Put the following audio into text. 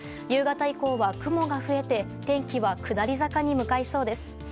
夕方以降は雲が増えて、天気は下り坂に向かいそうです。